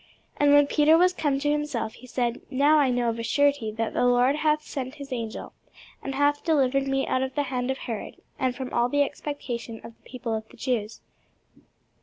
And when Peter was come to himself, he said, Now I know of a surety, that the Lord hath sent his angel, and hath delivered me out of the hand of Herod, and from all the expectation of the people of the Jews.